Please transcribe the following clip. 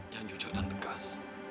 yang jujur dan tegas